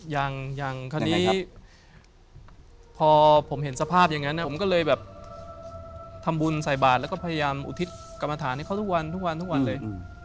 ยังอย่างคราวนี้พอผมเห็นสภาพอย่างนั้นผมก็เลยแบบทำบุญใส่บาทแล้วก็พยายามอุทิศกรรมฐานให้เขาทุกวันทุกวันเลย